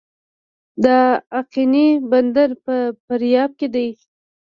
د اقینې بندر په فاریاب کې دی